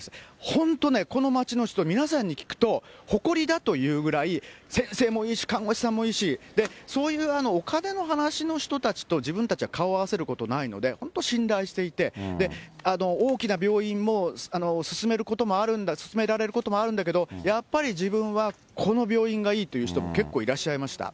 本当ね、この町の人、皆さんに聞くと、誇りだというぐらい、先生もいいし、看護師さんもいいし、で、そういうお金の話の人たちと、自分たちは顔を合わせることないので、本当、信頼していて、大きな病院も勧められることもあるんだけど、やっぱり自分はこの病院がいいという人も結構、いらっしゃいました。